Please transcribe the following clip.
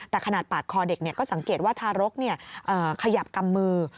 แต่ขนาดปาดคอเด็กก็สังเกตว่าทารกขยับกำมือ